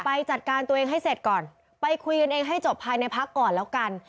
จัดการตัวเองให้เสร็จก่อนไปคุยกันเองให้จบภายในพักก่อนแล้วกัน